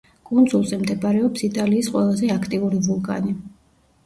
კუნძულზე მდებარეობს იტალიის ყველაზე აქტიური ვულკანი.